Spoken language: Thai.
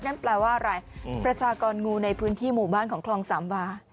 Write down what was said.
นั่นแปลว่าอะไรประชากรงูในพื้นที่หมู่บ้านของคลองสามวา